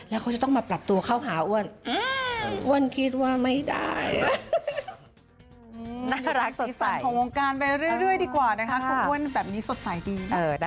แล้วเขาจะต้องมาปรับตัวเข้าหาอ้วนอ้วนคิดว่าไม่ได้